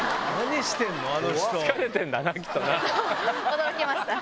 驚きました。